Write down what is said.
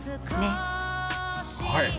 はい！